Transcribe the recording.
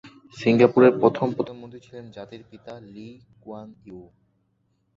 সিঙ্গাপুরের প্রথম প্রধানমন্ত্রী ছিলেন জাতির পিতা লি কুয়ান ইউ।